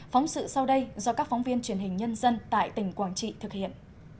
phóng sự sau đây do các phóng viên truyền hình nhân dân tại tỉnh quảng trị thực hiện